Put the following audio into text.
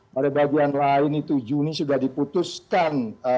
pada bagian lain itu juni sudah diputuskan